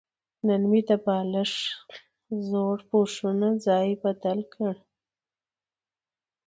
نن مې د بالښت زړو پوښونو ځای بدل کړ.